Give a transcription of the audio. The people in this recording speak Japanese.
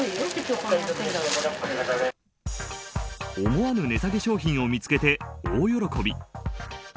思わぬ値下げ商品を見つけて大喜び。